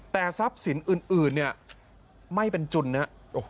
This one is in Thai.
แต่ทรัพย์สินอื่นเนี่ยไม่เป็นจุนนะ